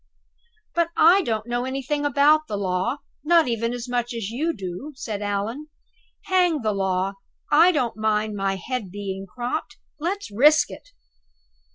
"But I don't know anything about the law, not even as much as you do," said Allan. "Hang the law! I don't mind my head being cropped. Let's risk it."